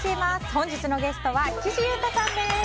本日のゲストは岸優太さんです。